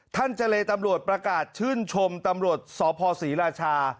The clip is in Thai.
เจรตำรวจประกาศชื่นชมตำรวจสพศรีราชา